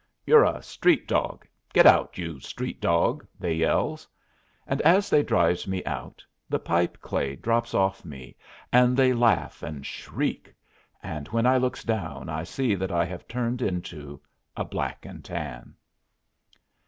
"You're a street dog! Get out, you street dog!" they yells. And as they drives me out, the pipe clay drops off me, and they laugh and shriek; and when I looks down I see that I have turned into a black and tan.